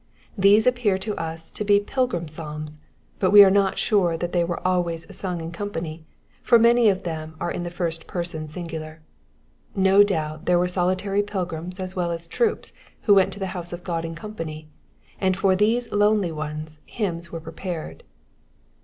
These appear tons to be Pilgrim Psalms, but we are not sure thai Stey were always sung in company ; for many of them are in the first person singular, Xo doM there were soliiary pUgrims as well as troops who went to the house of Ood in eompony, ajni for these lonely ones hymns were prepared.